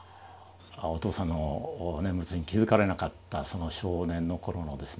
お父さんの念仏に気付かれなかったその少年の頃のですね